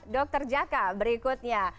dr jaka berikutnya